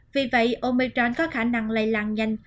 vì vậy omicron có khả năng lây lan nhanh